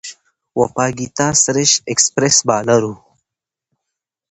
وپاګیتا سريش ایکسپریس بالر وه.